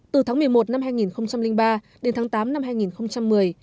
từ tháng một mươi một năm hai nghìn ba đến tháng tám năm hai nghìn một mươi